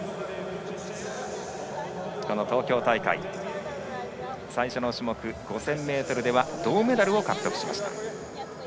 東京大会、最初の種目５０００ｍでは銅メダルを獲得しました。